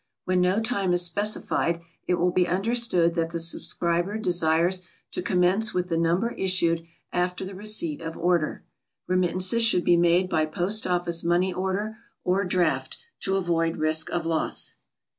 When no time is specified, it will be understood that the subscriber desires to commence with the Number issued after the receipt of order. Remittances should be made by POST OFFICE MONEY ORDER or DRAFT, to avoid risk of loss.